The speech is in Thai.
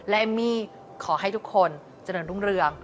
และเอมมี่ขอให้ทุกคนเจริญรุ่งเรือง